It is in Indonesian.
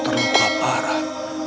kakakmu surakerta terluka parah